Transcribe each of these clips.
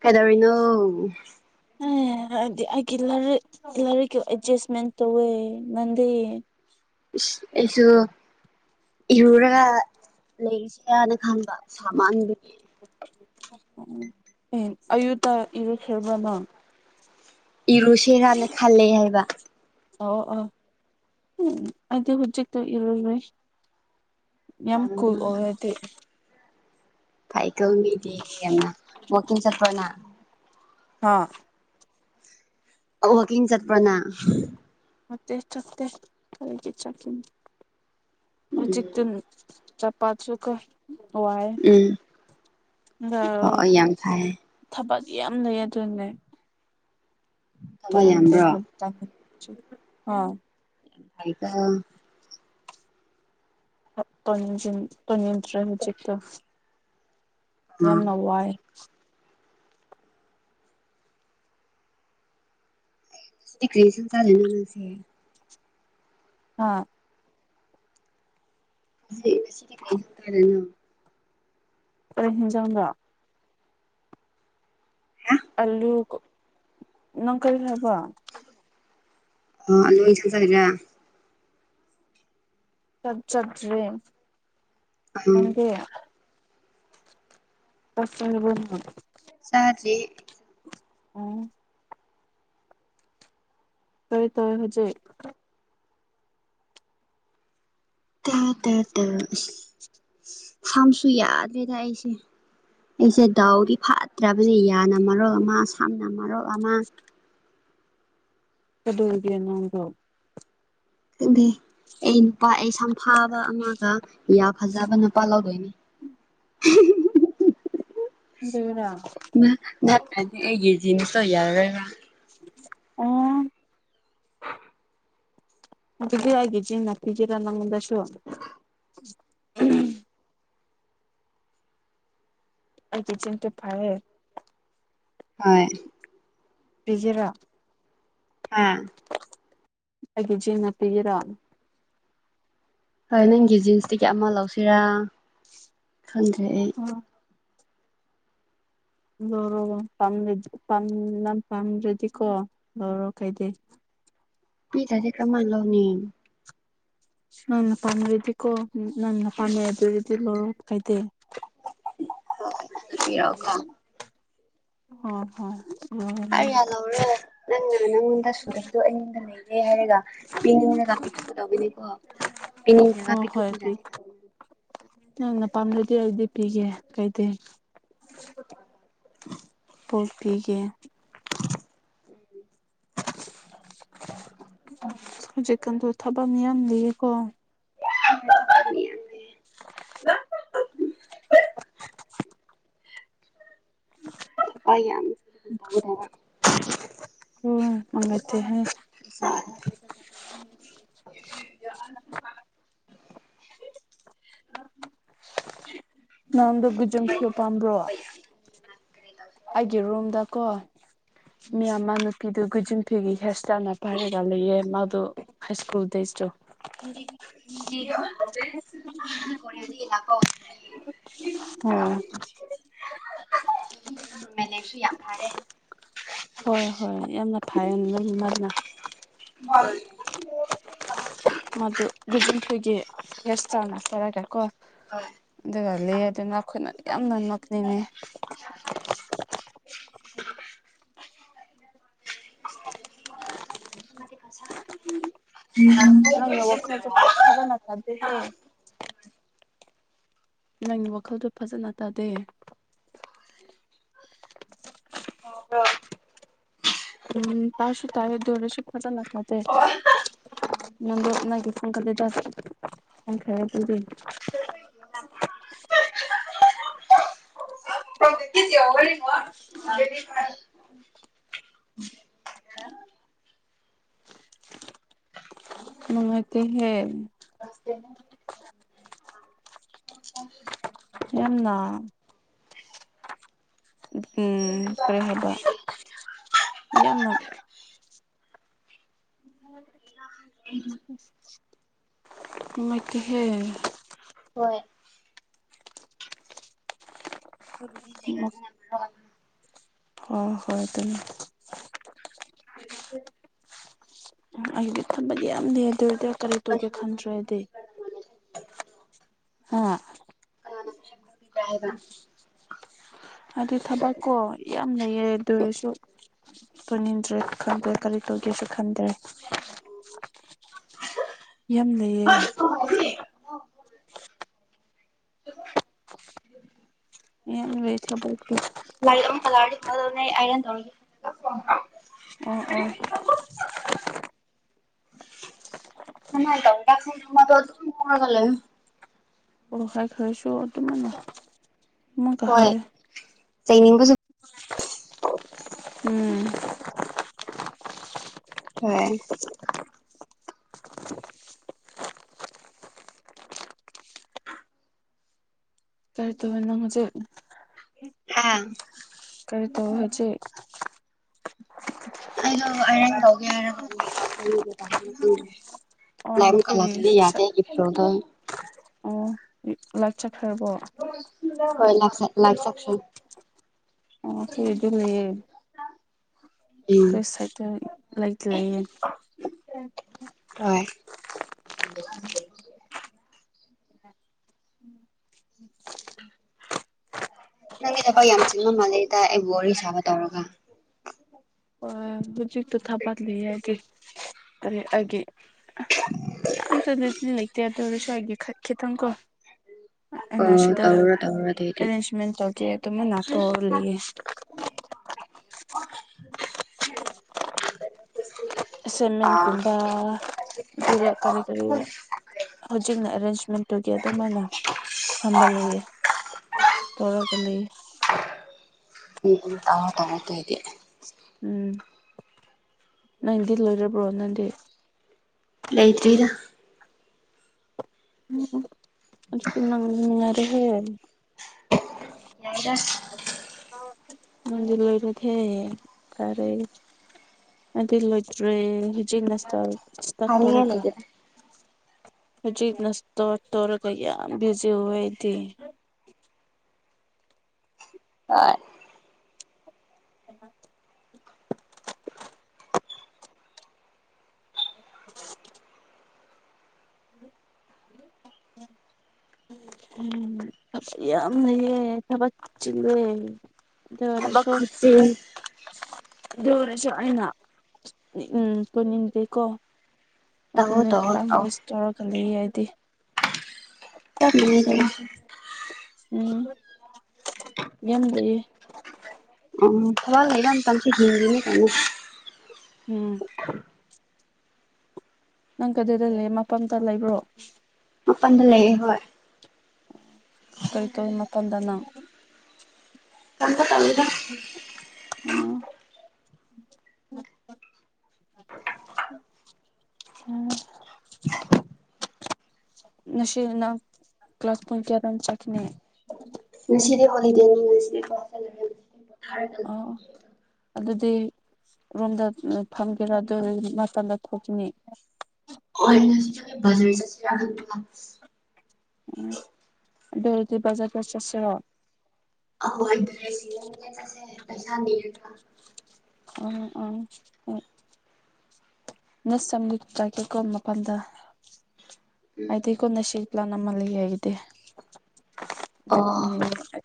ꯀꯩꯗꯧꯔꯤꯅꯣ ꯑꯩꯗꯤ ꯑꯩꯒꯤ ꯂꯥꯏꯔꯤꯛꯀ ꯑꯦꯠꯖꯁꯃꯦꯟ ꯇꯧꯋꯦ ꯅꯪꯗꯤ ꯏꯁ ꯑꯩꯁꯨ ꯏꯔꯨꯔꯒ ꯂꯩꯁꯤꯔꯅ ꯈꯟꯕ ꯁꯥꯃꯟꯕꯒꯤ ꯑꯌꯨꯛꯇ ꯏꯔꯨꯈꯔꯕꯅꯣ ꯏꯔꯨꯁꯦꯔꯅ ꯈꯜꯂꯦ ꯍꯥꯏꯕ ꯑꯣ ꯎꯝ ꯑꯩꯗꯤ ꯍꯧꯖꯤꯛꯇꯤ ꯏꯔꯨꯔꯦ ꯌꯥꯝ ꯀꯨꯜ ꯑꯣ ꯑꯣꯏꯔꯗꯤ ꯐꯥꯏꯀꯜ ꯃꯤꯗꯤ ꯌꯥꯝꯅ ꯋꯥꯀꯤꯡ ꯆꯠꯄꯅ ꯑꯥ ꯋꯥꯀꯤꯡ ꯆꯠꯄ꯭ꯔꯣꯅꯪ ꯅꯠꯇꯦ ꯆꯠꯇꯦ ꯎꯝ ꯍꯧꯖꯤꯛꯇꯅꯤ ꯆꯞꯄꯁꯨ ꯀꯣ ꯍꯣꯏ ꯎꯝ ꯑꯣ ꯌꯥꯝ ꯐꯩ ꯊꯕꯛ ꯌꯥꯝ ꯂꯩꯌꯦ ꯑꯗꯨꯅꯅꯦ ꯊꯕꯛ ꯌꯥꯝꯕ꯭ꯔꯣ [unintelligible] [unintelligible] ꯇꯣꯟꯅꯤꯡꯗ꯭ꯔꯦ ꯍꯧꯖꯤꯛꯇꯣ ꯑꯥ ꯌꯥꯝꯅ ꯋꯥꯏ ꯗꯦꯀ꯭ꯔꯤꯁꯟ ꯆꯖꯦꯅ ꯅꯪꯁꯦ ꯑꯥ ꯉꯁꯤꯗꯤ ꯀꯩꯁꯨ ꯇꯥꯔꯦꯅ ꯀꯔꯤ ꯍꯤꯟꯖꯥꯡꯂ ꯍꯥ ꯑꯜꯂꯨ ꯅꯪ ꯀꯔꯤ ꯍꯥꯏꯕ ꯑꯣ ꯑꯂ ꯃꯩꯁ ꯁꯔꯂ [unintelligible] ꯆꯥꯛ ꯆꯥꯗ꯭꯭ꯔꯤ ꯑꯪ ꯅꯪꯗꯤ ꯆꯥꯛ ꯆꯥꯔꯕꯣ ꯆꯥꯗꯔꯤ ꯎꯝ ꯀꯔꯤ ꯇꯧꯔꯦ ꯍꯧꯖꯤꯛ ꯇ ꯇ ꯇ ꯁꯝꯁꯨ ꯌꯥꯗꯦꯗ ꯑꯩꯁꯦ ꯑꯩꯁꯦ ꯗꯥꯎꯗꯤ ꯐꯠꯇ꯭ꯔꯕꯅꯤ ꯌꯥꯅ ꯃꯔꯣꯜ ꯑꯃ ꯁꯝꯅ ꯃꯔꯣꯜ ꯑꯃ ꯀꯩꯗꯧꯔꯤꯒꯦ ꯅꯪꯕꯨ ꯅꯪꯗꯤ ꯑꯩ ꯅꯨꯄꯥ ꯑꯩ ꯁꯝꯐꯥꯕ ꯑꯃꯒ ꯌꯥ ꯐꯖꯕ ꯅꯨꯄꯥ ꯂꯧꯗꯣꯏꯅꯦ [unintelligible] ꯑꯗꯨꯔ ꯌꯦꯖꯅꯤ ꯌꯥꯔ ꯑꯣ ꯃꯗꯤ ꯍꯥꯏꯒꯤꯦ ꯖꯤꯟ ꯍꯥꯄꯤꯖꯤꯔ ꯅꯪ ꯃꯗꯁꯨꯨ ꯑꯩꯆꯦꯟ ꯀ ꯐꯥꯏꯔ ꯍꯣꯏ ꯔꯤꯖꯔꯥ ꯍꯥ ꯍꯥꯏꯒꯤꯖꯤꯅ ꯄꯤꯒ ꯔꯥꯜ ꯍꯣꯏ ꯅꯪꯒꯤ ꯖꯤꯟꯁꯇꯤ ꯀ ꯑꯃ ꯂꯧꯁꯤꯔꯥ ꯈꯟꯗ꯭ꯔꯦ ꯑꯩ ꯎꯝ ꯂꯧꯔꯣ ꯄꯥꯝꯗꯗꯤꯝ ꯄꯥꯝꯗ꯭ꯔꯗꯤꯀꯣ ꯂꯧꯔꯣ ꯈꯩꯗ ꯄꯤ ꯇꯁ ꯀꯃꯜꯂꯣꯅꯤ ꯅꯪꯅ ꯄꯥꯝꯗꯗꯤꯀꯣ ꯅꯪꯅ ꯄꯥꯝꯃꯦ ꯑꯗꯨꯔꯗꯤ ꯂꯧꯔꯣ ꯀꯥꯏꯗꯦ ꯁꯤꯔꯎꯒ ꯍꯣꯏ ꯍꯣꯏ ꯑꯔꯤꯌꯥ ꯂꯧꯔꯣ ꯅꯪꯅ ꯅꯪꯉꯣꯟꯗ ꯁꯨꯗꯕꯗꯣ ꯑꯩꯌꯅꯤꯡꯗ ꯂꯩꯔꯦ ꯍꯥꯏꯔꯒ ꯄꯤ ꯖꯒꯥ ꯄꯤꯊꯣꯛꯀ ꯇꯅꯦꯀꯣ ꯄꯤ ꯖꯒꯥ ꯍꯣꯏ ꯄꯤꯊꯨ ꯍꯣꯏ ꯄꯤ ꯄꯨꯖꯥꯅꯤ ꯅꯪꯅ ꯄꯥꯝꯂꯗꯤ ꯑꯩꯗꯤ ꯄꯤꯒꯦ ꯀꯩꯗ ꯄꯣꯛꯄꯤꯒ ꯍꯧꯖꯤꯛꯀꯥꯟꯗ ꯊꯕꯛ ꯌꯥꯝ ꯂꯩꯌꯦꯀꯣ ꯕꯥꯃꯦ ꯑꯩꯗ ꯍ ꯃꯉꯥꯏ ꯍꯥꯏ [unintelligible] [unintelligible] ꯅꯉꯣꯟꯗ ꯕꯤꯖꯝ ꯐꯤꯌ ꯄꯥꯝꯕ꯭ꯔꯣ ꯃꯤꯗꯤ ꯑꯩꯒꯤ ꯔꯨꯝꯗꯀꯣ ꯃꯤꯌꯥꯝ ꯃꯥꯅ ꯐꯤꯗꯨ ꯒꯨꯖꯤꯟ ꯐꯤꯒꯤ ꯍꯤꯌꯔ ꯏꯁꯇꯥꯏꯜꯅ ꯄꯥꯏꯔꯒ ꯂꯩꯌꯦ ꯃꯥꯗꯣ ꯍꯥꯏ ꯁ꯭ꯀꯨꯜ ꯗꯦꯖꯇꯣ [unintelligible] ꯑꯣꯝ ꯃꯦꯂꯦꯛꯁꯨ ꯌꯥꯝ ꯐꯔꯦ ꯍꯣꯏ ꯍꯣꯏ ꯌꯥꯝꯅ ꯐꯥꯏ ꯂꯣꯏ ꯃꯔꯜꯅ [unintelligible] ꯃꯗꯨ ꯒꯖꯨꯟꯈꯒꯤ ꯌꯦꯁ ꯇꯅ ꯀꯔꯒ ꯀꯣ ꯀꯅꯥꯅ ꯑꯗꯨꯒ ꯂꯩ ꯑꯗꯨꯅ ꯑꯩꯈꯣꯏꯅ ꯌꯥꯝꯅ ꯅꯛꯅꯤꯡꯉꯦ [unintelligible] [unintelligible] ꯁꯤꯁꯦ ꯅꯪꯒꯤ ꯋꯥꯈꯜꯗꯣ ꯐꯖꯅ ꯇꯥꯗꯦ ꯑꯣꯗꯣ ꯎꯝ ꯇꯥꯎꯁꯨ ꯇꯥꯏꯦ ꯗꯣꯔꯁꯨ ꯐꯖꯅ ꯇꯗꯦ ꯅ ꯀꯗ ꯆꯁꯈ ꯇꯔꯤ [unintelligible] [unintelligible] ꯃꯅꯨꯡꯉꯥꯏꯇꯦ ꯍꯦ [unintelligible] [inaudible] ꯌꯥꯝꯅ ꯎꯝ ꯀꯔꯤ ꯍꯥꯏꯕ ꯌꯥꯝꯅ ꯅꯨꯡꯉꯥꯢꯇꯦꯍꯦ ꯍꯣꯏ ꯨꯖꯤꯁ ꯋꯥ [inaudible] ꯑꯣ ꯍꯣꯏ ꯑꯗꯨꯝ ꯑ [inaudible] ꯎꯝ ꯑꯩꯗꯤ ꯈꯟꯕꯗꯤ ꯌꯥꯝ ꯂꯩ ꯑꯗꯨ ꯑꯣꯏꯔꯗꯤ ꯀꯔꯤ ꯇꯧꯒꯦ ꯈꯟꯗ꯭ꯔꯗꯤ ꯍꯥꯥ [inaudible] ꯑꯗꯨ ꯊꯕꯛꯀꯣ ꯌꯥꯝ ꯂꯩꯌꯦ ꯑꯗꯨ ꯑꯣꯏꯔꯁꯨ ꯆꯠꯅꯤꯡꯗ꯭ꯔꯦ ꯈꯪꯗ꯭ꯔꯦ ꯀꯔꯤ ꯇꯧꯒꯦꯁꯨ ꯈꯟꯗ꯭ꯔꯦ ꯑꯣ [inaudible] ꯌꯥꯝ ꯂꯩꯌꯦ [inaudible] ꯌꯥꯝ ꯂꯩ ꯊꯕꯛꯇꯤ ꯂꯥꯏꯔꯤꯛ ꯑꯃ ꯀꯂꯥꯔꯗꯤ ꯈꯪꯒꯗꯧꯅꯦ ꯑꯩ ꯑꯥꯏꯔꯟ ꯇꯧꯔꯒꯦ ꯑꯣ ꯑꯣ [inaudible] [inaudible] ꯇꯧꯔꯒ ꯂꯩꯌꯨ ꯍꯣꯏ [inaudible] ꯍꯥꯏꯈ꯭ꯔꯁꯨ ꯑꯗꯨꯝ ꯑꯃꯨꯛꯀ ꯍꯣꯏ ꯍꯥꯏꯌꯦ ꯆꯩꯅꯤꯡꯕꯁꯨ ꯎꯝ ꯍꯣꯢ ꯀꯔꯤ ꯇꯧꯔꯤꯅꯣ ꯅꯪ ꯍꯧꯖꯤꯛ ꯍꯥꯥ ꯀꯔꯤ ꯇꯧꯋꯦ ꯍꯧꯖꯤꯛ ꯑꯩꯗꯣ ꯑꯔꯦꯟ ꯇꯧꯒꯦ ꯍꯥꯏ [inaudible] ꯑꯣ ꯂꯥꯏꯝ ꯅꯈꯣꯏꯒꯤ ꯀꯂꯗ ꯌꯥꯗꯦ ꯏꯕ꯭ꯔꯣ ꯑꯗꯨ [inaudible] ꯑꯣ ꯍꯤꯞꯂꯒ ꯆꯠꯈ꯭ꯔꯕꯣ ꯍ ꯂ ꯂꯥꯏ ꯁꯛꯁꯟ [inaudible] ꯑꯣ ꯑꯈꯣꯏꯒꯤꯗꯤ ꯂꯩꯌꯦ ꯎꯝ ꯑꯩꯈꯣꯏ ꯁꯥꯏꯠꯇ ꯂꯩꯇ ꯂꯩꯌꯦ ꯍꯣꯏ ꯅꯪꯒꯤ ꯊꯕꯛ ꯌꯥꯝ ꯆꯤꯕ ꯃꯥꯜꯂꯦꯗ ꯑꯩ ꯋꯥꯔꯤ ꯁꯥꯕ ꯇꯧꯔꯒ ꯍꯣꯏ ꯍꯧꯖꯤꯛꯇꯣ ꯊꯥꯕꯛ ꯂꯩꯌꯦ ꯍꯥꯏꯗꯤ ꯀꯔꯤ ꯑꯩꯒꯤ ꯌꯥꯝꯇ [inaudible] ꯂꯩꯗꯤ ꯂꯩꯇꯦ ꯑꯗꯨ ꯑꯣꯏꯔꯁꯨ ꯑꯩꯒꯤ ꯈꯤꯇꯪꯀꯣ ꯑꯩꯅ ꯑꯣ ꯁꯤꯗ ꯇꯧꯔꯣ ꯇꯧꯔꯣ ꯑꯗꯨꯏꯗꯤ ꯑꯦꯔꯦꯟꯖꯃꯦꯟ ꯇꯧꯒꯦ ꯑꯗꯨꯃꯥꯢꯏ ꯇꯧꯔꯒ ꯂꯩꯌꯦ [inaudible] ꯑꯥ ꯑꯦꯁꯦꯃꯦꯟꯒꯨꯝꯕ ꯎꯝ ꯑꯗꯨꯒ ꯀꯔꯤ ꯀꯔꯤ ꯍꯧꯖꯤꯛꯅ ꯑꯦꯔꯦꯟꯖꯃꯦꯟꯇꯨꯒꯤ ꯑꯗꯨꯃꯥꯏꯅ ꯐꯝꯕ ꯂꯩ ꯇꯧꯔꯒ ꯂꯩ ꯎꯨꯝ ꯎꯨꯝ ꯑꯥ ꯇꯧꯔꯣ ꯑꯗꯣꯏꯗꯤ [inaudible] ꯎꯨꯝ ꯅꯪꯗꯤ ꯂꯣꯏꯔꯕ꯭ꯔꯣ ꯅꯪꯗꯤ ꯂꯩꯇ꯭ꯔꯤꯗ ꯑꯗꯨꯗꯤ ꯅꯪ ꯅꯨꯡꯉꯥꯏꯔꯦꯍꯦ ꯌꯥꯏꯗ [inaudible] ꯅꯪꯒꯤ ꯂꯣꯏꯔꯗꯤ ꯐꯔꯦ ꯑꯩꯗꯤ ꯂꯣꯏꯇ꯭ꯔꯦ ꯍꯧꯖꯤꯛ ꯃꯥꯁꯇꯔ ꯍꯥꯏꯅꯤꯉꯥꯏ ꯂꯩꯇꯦꯗ ꯍꯧꯖꯤ ꯃꯥꯁꯇꯔ ꯇꯧꯔꯒ ꯌꯥꯝ ꯕꯤꯖꯤ ꯑꯣꯏ ꯑꯩꯗꯤ ꯑꯥ [inaudible] ꯑꯃꯥ ꯁꯤꯛ [inaudible] ꯎꯝ ꯌꯥꯝ ꯂꯩꯌꯦ ꯊꯕꯛ ꯆꯤꯜꯂꯦ ꯑꯗꯨ ꯊꯕꯛ ꯑꯣꯏꯔꯁꯨ ꯈꯨꯆꯤꯟ ꯌꯧꯔꯁꯨ ꯑꯩꯅ ꯎꯝ ꯀꯅꯤꯡꯗꯦꯀꯣ ꯇꯧ ꯑꯗꯨꯅꯦ ꯇꯧ ꯇꯥꯏꯝ ꯇꯧ ꯋꯦꯁ ꯇꯧꯔ ꯈꯂ ꯍꯥꯏꯗꯤ ꯇꯜꯂ‌ꯦ ꯎꯝ ꯌꯥꯝ ꯂꯩꯌꯦ ꯑꯣ ꯊꯋꯥꯗ ꯇꯁꯤ ꯊꯅꯤ ꯀꯅꯤ ꯎꯝ ꯅꯪ ꯀꯗꯏꯗ ꯂꯩ ꯃꯄꯇ ꯂꯩꯕ꯭ꯔꯣ ꯃꯄꯟꯗ ꯂꯩꯌ‌ꯦ ꯍꯣꯏ ꯀꯔꯤ ꯇꯧ ꯃꯄꯥꯟꯗꯅ ꯆꯝꯄ ꯇꯜ ꯎꯝ ꯎꯝ ꯅꯁꯤꯅ ꯀ꯭ꯂꯥꯁ ꯄꯨꯡ ꯀꯌꯥ ꯆꯀꯤꯅꯦ ꯁꯤꯔꯤ ꯍꯣꯂꯤꯗꯦꯅꯤꯁꯤ ꯀ꯭ꯂ ꯑꯣ ꯑꯗꯨꯗꯤ ꯔꯣꯝꯗ ꯐꯝꯒꯦꯔꯥ ꯑꯗꯨ ꯃꯇꯝꯗ ꯊꯣꯛꯈꯤꯅꯤ ꯑꯩꯅ ꯁꯤꯗ ꯆꯠꯁꯤꯔ ꯎꯝ ꯑꯗꯨꯔꯗꯤ ꯕꯖꯔꯗ ꯆꯠꯁꯤꯔꯣ ꯑꯋꯥ ꯗ꯭ꯔꯦꯁꯁꯤ ꯄꯩꯁꯥ ꯀ ꯎꯝ ꯎꯝ ꯍꫭꯏ ꯅ ꯁꯝ ꯆꯥꯏꯀꯦꯀꯣ ꯃꯐꯝꯗ ꯎꯝ ꯍꯥꯏꯗꯦ ꯉꯁꯤ ꯄꯂꯥꯟ ꯑꯃ ꯂꯩꯌ‌ꯦ ꯑꯣ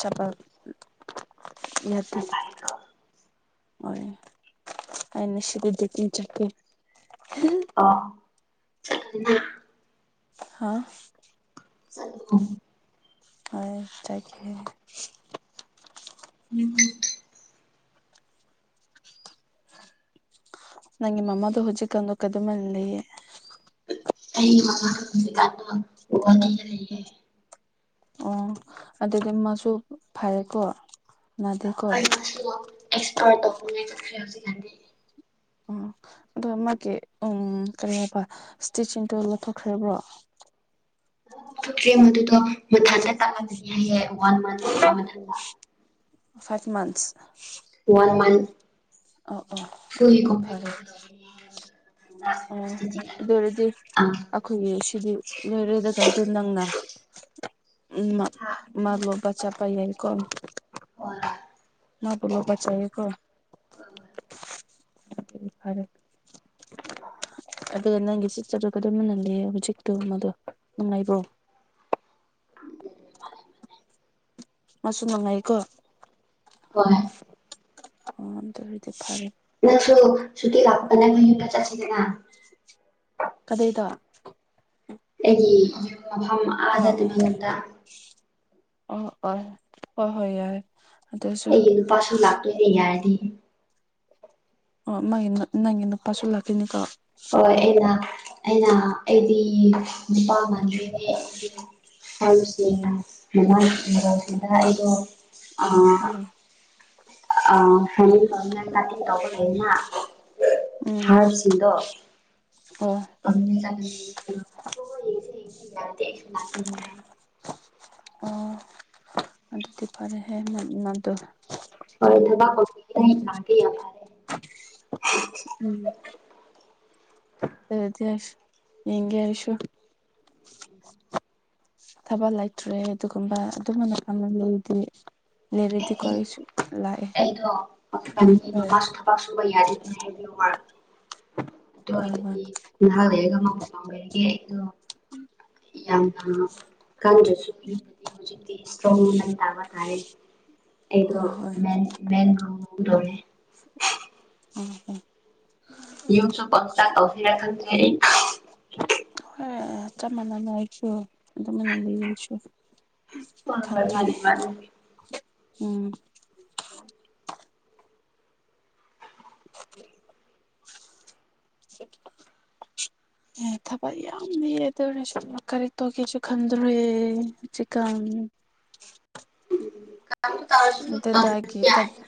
ꯆꯄꯜ ꯌꯥꯗꯤ ꯌꯥꯝ ꯐꯩꯀꯣ ꯍ‌ꫭꯏ ꯑꯩ ꯉꯁꯤ ꯗꯨꯏꯇꯤ ꯆꯠꯀ‌ꯦ ꯑꯣ ꯆꯠꯅ ꯍꯥ ꯆꯠ ꯑ ꯆꯠꯒꯤ ꯎꯝ ꯎꯝ ꯅꯪꯒꯤ ꯃꯃꯗꯨ ꯍꯣꯖꯤꯛ ꯀꯥꯟ ꯀꯩꯗꯧꯃꯥꯏ ꯂꯩꯌ‌ꯦ ꯑꯩ ꯃꯃꯁꯤ ꯀꯥꯟꯗ ꯎꯒ ꯑꯣ ꯑꯗꯨꯗꯤ ꯃꯁꯨ ꯐꯔꯦꯀꯣ ꯅꯥꯗꯦꯀꯣ ꯑꯩ ꯑꯦꯛꯁꯄꯔꯠꯉꯥꯏ ꯆꯠꯈ꯭ꯔꯦ ꯍꯧꯖꯤꯛꯀꯥꯟꯗꯤ ꯎ ꯑꯗꯣ ꯃꯥꯒꯤ ꯎꯝ ꯀꯩꯅ ꯍꯥꯏꯕ ꯏꯁꯇꯤꯆꯤꯡꯗꯨꯣ ꯂꯧꯊꯣꯛꯈ꯭ꯔꯕ꯭ꯔꯣ ꯇ꯭ꯔꯦ ꯃꯗꯨꯗꯣ ꯃꯊꯁ ꯇꯥꯛꯂꯒꯅꯤ ꯍꯥꯏꯌꯦ ꯋꯥꯟ ꯃꯟꯒꯨꯝꯕ ꯃꯊꯟꯇ ꯐꯥꯏꯚ ꯃꯥꯟꯁ ꯋꯥꯟ ꯃꯥꯟ ꯑꯣ ꯑꯣꯗꯤ ꯐꯔꯦ ꯑꯣꯏꯒꯗꯧꯕꯅꯤ ꯍꯥꯏꯕꯗꯨ ꯃꯊꯟꯗ ꯑꯣ ꯁ꯭ꯇꯤꯆꯤꯡ ꯑꯗꯨ ꯑꯗꯨꯝ ꯑꯣꯏꯔꯗꯤ ꯑꯥ ꯑꯩꯈꯣꯏꯒꯤ ꯁꯤꯗꯤ ꯂꯣꯏꯔꯦꯗ ꯀꯟꯇ ꯍꯥ ꯅꯪꯅ ꯎ ꯆꯄꯥꯏ ꯌꯥꯏꯀꯣ ꯑꯣ ꯅꯕꯨꯂꯧꯕ ꯆꯀ ꯐꯔꯦ ꯏ [inaudible] ꯑꯗꯨꯒ ꯅꯪꯒꯤ ꯆꯤꯠ ꯆꯗ ꯀꯝꯍꯜꯂ ꯍꯧꯖꯤꯛꯇꯨ ꯃꯗꯣ ꯅꯨꯡꯉꯥꯏꯕ꯭ꯔꯣ [inaudible] ꯃꯥꯁꯨ ꯅꯨꯡꯉꯥꯏꯀꯣ ꯍꯣꯏ [unintelligible] ꯅꯁꯨ ꯁꯨꯇꯤ ꯂꯥꯛꯄꯗꯅꯦ ꯆꯁꯤ ꯀꯗꯥꯏꯗ ꯑꯩꯒꯤ ꯑꯥꯗ ꯑ ꯇꯃꯦꯡꯂꯣꯡꯗ ꯑꯣ ꯑꯣ ꯍ ꯍꯣꯏ ꯌꯥꯏ ꯑꯗꯨꯁꯨ ꯑꯩꯒꯤ ꯅꯨꯄꯥꯁꯨ ꯂꯥꯛꯇꯣꯏ ꯑꯩ ꯍꯥꯏꯔꯗꯤ ꯑꯣ ꯃꯥꯒꯤ ꯅꯪꯒꯤ ꯅꯨꯄꯥꯁꯨ ꯂꯥꯛꯀꯅꯤꯀꯣ ꯍꯣꯏ ꯑꯩꯅ ꯑꯩꯅ ꯑꯩꯗꯤ ꯅꯨꯄꯥꯃꯥꯡꯒꯤ [unintelligible] ꯁꯤ ꯃꯃꯥꯡꯁꯤꯗ ꯑꯩꯗꯣ ꯑ ꯑꯣ ꯑ ꯇꯧꯕ ꯂꯩꯩꯅ ꯎꯝ ꯍꯥꯔꯁꯤꯡꯗꯣ ꯑꯣ ꯎꯁ ꯌꯥ ꯂꯥꯛ ꯑꯣ ꯑꯗꯨ ꯑꯗꯨꯗꯤ ꯐꯔꯦ ꯍꯦꯅꯗꯨ ꯑꯣꯏꯗꯕ ꯑꯣ ꯂꯕꯤ ꯌꯥ ꯄꯔꯦ ꯎꯝ ꯗꯤ ꯌꯦꯒꯦꯁꯨ [inaudible] ꯊꯥꯕ ꯂꯩꯇ꯭ꯔꯦ ꯑꯗꯨꯒꯨꯝꯕ ꯑꯗꯨꯝꯕꯅ ꯐꯪꯕ ꯂꯩꯗꯤ ꯑꯦ ꯑꯩꯗꯣꯣ ꯍꯣꯏ ꯃꯃꯥꯁꯨ ꯊꯕꯛ ꯁꯨꯕ ꯌꯥꯗꯦꯗꯅ ꯍꯣꯏ ꯍꯣꯏ ꯍꯥꯏ [unintelligible] ꯃꯄꯥꯝꯕꯦ ꯌꯥꯝꯅ ꯀꯟꯗ꯭ꯔꯁꯨ ꯌꯨꯝꯗꯗꯤ ꯍꯧꯖꯤꯛꯇꯤ ꯏꯁꯇ꯭ꯔꯣꯡ ꯋꯨꯃꯦꯟ ꯇꯥꯕ ꯇꯥꯔꯦ ꯑꯩꯗ ꯍꯣꯏ ꯍꯣꯏ ꯃ ꯃꯦꯡꯦꯡ꯭ꯂꯗꯧꯅꯦ ꯎꯝ ꯍꯝ ꯌꯨꯝꯁꯨ ꯄꯟꯁꯥ ꯀꯁꯤꯔ ꯈ ꯊꯅꯤ ꯍ ꯆꯃꯅ ꯂꯥꯏꯁꯨ ꯆꯃꯅ ꯂꯩꯁꯨ ꯍꯣꯏ ꯍꯣꯏ ꯃꯥꯅꯤ ꯃꯥꯅꯤ ꯎꯝ [unintelligible] [unintelligible] [inaudible] ꯑꯦ ꯊꯕꯛ ꯌꯥꯝꯅ ꯌꯦꯗꯔꯦ ꯁꯨꯝ ꯀꯔꯤ ꯇꯧꯒꯦꯁꯨ ꯈꯟꯗ꯭ꯔꯣꯖꯤꯀꯥꯟ ꯑꯗꯨꯗꯒꯤ ꯀ [unintelligible]